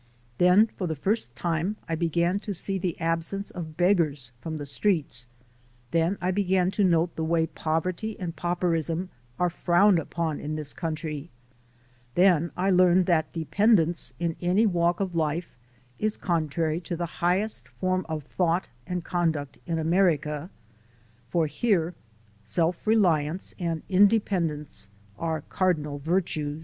Then for the first time I began to sec the absence of beggars from the streets; then I began to note the way poverty and pauperism are frowned upon in this country ; then I learned that dependence in any walk of life is contrary to the highest form of thought and conduct in America; for here self reliance and independence are cardinal virtues.